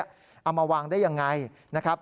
เอามาวางได้ยังไงนะครับ